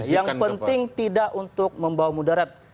yang penting tidak untuk membawa mudarat